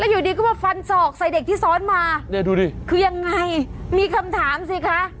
อยู่ดีก็มาฟันศอกใส่เด็กที่ซ้อนมาเนี่ยดูดิคือยังไงมีคำถามสิคะ